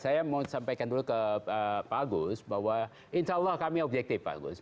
saya mau sampaikan dulu ke pak agus bahwa insya allah kami objektif pak agus